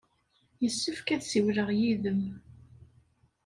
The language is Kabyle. Yessefk ad ssiwleɣ yid-m.